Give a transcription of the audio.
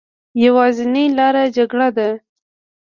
يوازينۍ لاره جګړه ده